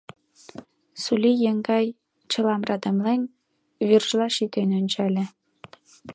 Сулий еҥгай, чылам радамлен, вӱржла шӱтен ончале.